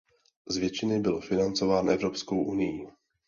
Z většiny byl financován Evropskou unií.